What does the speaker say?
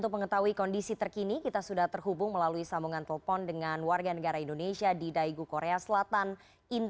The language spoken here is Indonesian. beberapa setelah corona virus operasi yang meningkatkan